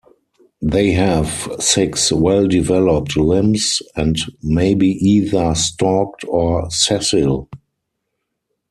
They have six well-developed limbs, and may be either stalked or sessile.